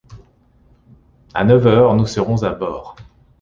À neuf heures, nous serons à bord!